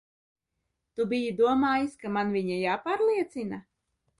Tu biji domājis, ka man viņa jāpārliecina?